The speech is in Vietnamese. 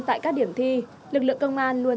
tại các điểm thi lực lượng công an luôn